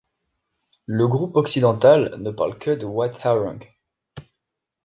Le groupe occidental ne parle que le Wathaurung.